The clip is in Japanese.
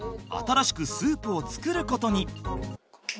新しくスープを作ることに。